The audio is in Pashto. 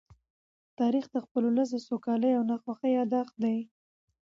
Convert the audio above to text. تاریخ د خپل ولس د سوکالۍ او ناخوښۍ يادښت دی.